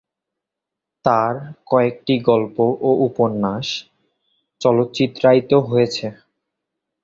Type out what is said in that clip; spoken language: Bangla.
তার কয়েকটি গল্প ও উপন্যাস চলচ্চিত্রায়িত হয়েছে।